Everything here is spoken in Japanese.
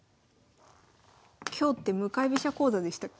今日って向かい飛車講座でしたっけ？